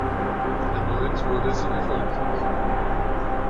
Erneut wurde sie gefoltert.